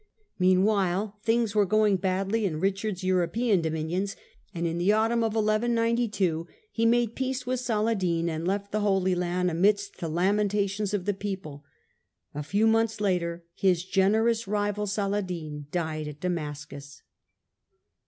Meanwhile, things were going badly in Eichard's European dominions, and in the autumn of 1192 he made peace with Saladin, and left the Holy Land, amidst the lamentations of the people. A few months later his generous rival Saladin died at Damascus.